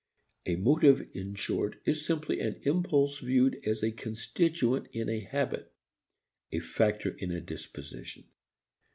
A motive in short is simply an impulse viewed as a constituent in a habit, a factor in a disposition.